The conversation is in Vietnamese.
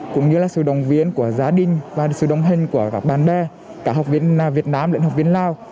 cũng như là sự đồng viên của gia đình và sự đồng hình của các bạn bè cả học viên việt nam lệnh học viên lào